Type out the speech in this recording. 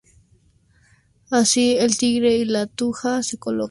Así, el tigre y la thuja se colocan delante de la tumba.